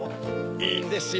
いいんですよ